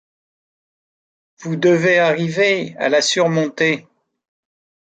vous devez arriver à la surmonter